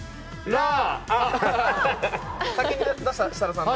ラー！